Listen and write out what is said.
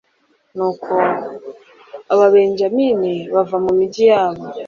nuko ababenyamini bava mu migi yabo